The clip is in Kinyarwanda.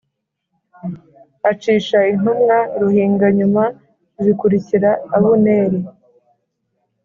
acisha intumwa ruhinganyuma zikurikira Abuneri